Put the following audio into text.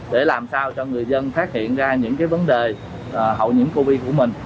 để làm sao cho người dân phát hiện ra những vấn đề hậu nhiễm covid của mình